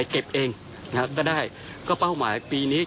ก็ได้ก็เป้าหมายปีนี้